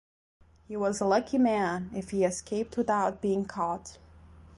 He was a lucky man if he escaped without being caught.